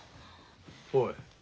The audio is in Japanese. おい。